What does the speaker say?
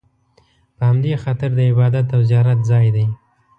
په همدې خاطر د عبادت او زیارت ځای دی.